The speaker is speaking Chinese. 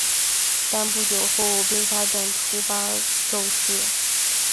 但不久后并发症突发骤逝。